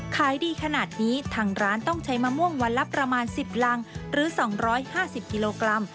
ขายดีขนาดนี้ทางร้านต้องใช้มะม่วงวันละประมาณ๑๐รังหรือ๒๕๐กิโลกรัม